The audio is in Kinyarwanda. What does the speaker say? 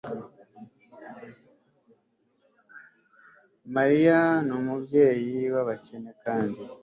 mariya ni umubyeyi w'abakene kandi